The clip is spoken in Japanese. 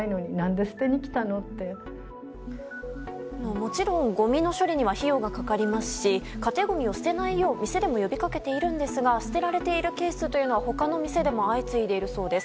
もちろん、ごみの処理には費用がかかりますし家庭ごみを捨てないよう店でも呼び掛けているんですが捨てられているケースというのが他の店でも相次いでいるそうです。